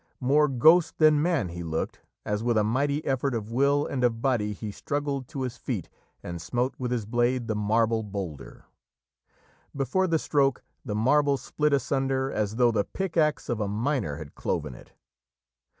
More ghost than man he looked as with a mighty effort of will and of body he struggled to his feet and smote with his blade the marble boulder. Before the stroke the marble split asunder as though the pick axe of a miner had cloven it.